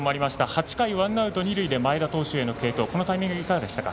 ８回ワンアウト、二塁で前田投手への継投はこのタイミングはどうでしたか。